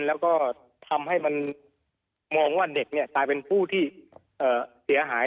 แล้วก็ทำให้มันมองว่าเด็กกลายเป็นผู้ที่เสียหาย